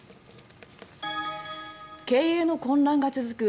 経営の混乱が続く